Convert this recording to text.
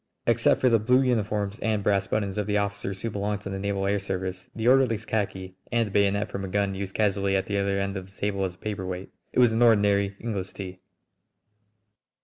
Except for the blue uniforms and brass buttons of the officers who belonged to the naval air service, the orderly's khaki and the bayonet from a gun used casually at the other end of the table as a paperweight, it was an ordinary English tea.